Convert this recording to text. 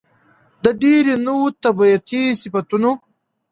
د ډېرو نوو طبيعتي صفتونو